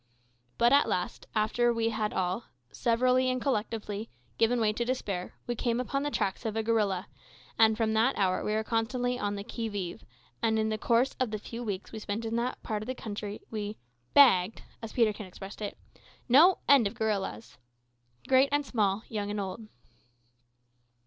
But at last, after we had all, severally and collectively, given way to despair, we came upon the tracks of a gorilla, and from that hour we were kept constantly on the qui vive, and in the course of the few weeks we spent in that part of the country, we "bagged," as Peterkin expressed it, "no end of gorillas" great and small, young and old.